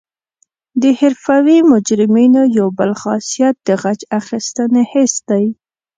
د حرفوي مجرمینو یو بل خاصیت د غچ اخیستنې حس دی